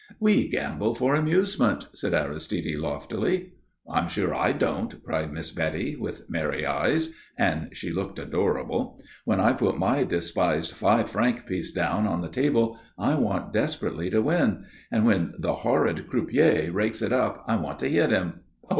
"We gamble for amusement," said Aristide loftily. "I'm sure I don't," cried Miss Betty, with merry eyes and she looked adorable "When I put my despised five franc piece down on the table I want desperately to win, and when the horrid croupier rakes it up I want to hit him Oh!